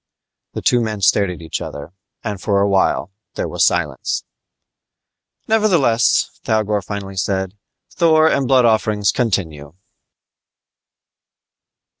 The two men stared at each other, and for awhile there was silence. "Nevertheless," Thougor finally said, "Thor and blood offerings continue!"